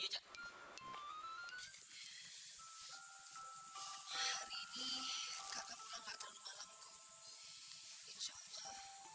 insya allah sebelum maghrib kakak udah di rumah